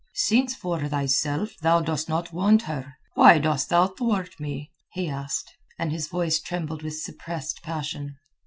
"Since for thyself thou dost not want her, why dost thou thwart me?" he asked, and his voice trembled with suppressed passion.